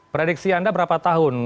prediksi anda berapa tahun